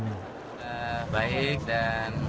sudah baik dan berhasil